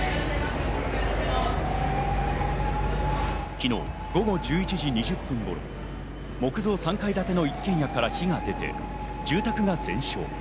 昨日午後１１時２０分頃、木造３階建ての一軒家から火が出て住宅が全焼。